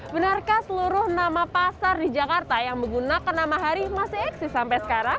benarkah seluruh nama pasar di jakarta yang menggunakan nama hari masih eksis sampai sekarang